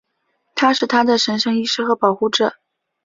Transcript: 他是她的神圣医师和保护者。